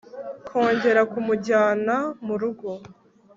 kongera kumujyana murugo